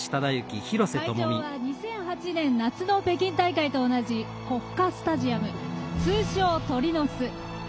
会場は２００８年、夏の北京大会と同じ国家スタジアム、通称・鳥の巣。